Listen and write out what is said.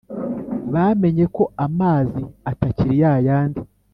bamenye ko amazi atakiri ya yandi